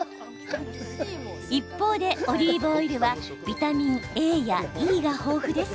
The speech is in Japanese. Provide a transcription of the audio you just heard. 一方で、オリーブオイルはビタミンＡやＥが豊富です。